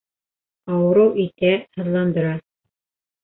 Ауырыу итә, һыҙландыра.